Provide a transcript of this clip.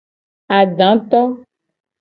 Adato.